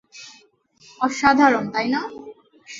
অসাধারণ, তাই না?